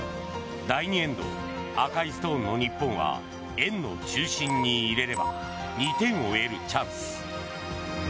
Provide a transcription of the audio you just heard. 第２エンド赤いストーンの日本は円の中心に入れれば２点を得るチャンス。